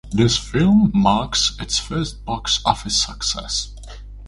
This film marks its first box office success.